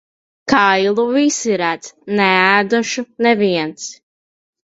Kailu visi redz, neēdušu neviens.